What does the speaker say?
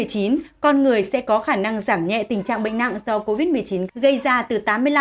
con người sẽ có khả năng giảm nhẹ tình trạng bệnh nặng do covid một mươi chín gây ra từ tám mươi năm